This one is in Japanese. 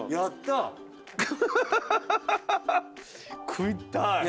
食いたい。